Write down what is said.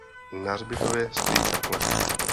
Na hřbitově stojí kaple.